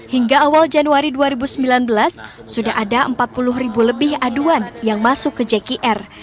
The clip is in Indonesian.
hingga awal januari dua ribu sembilan belas sudah ada empat puluh ribu lebih aduan yang masuk ke jkr